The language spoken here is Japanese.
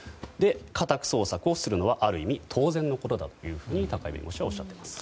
家宅捜索をするのはある意味当然のことだと高井弁護士はおっしゃっています。